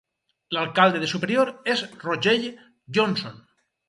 L'alcalde de Superior és Rochelle Johnson.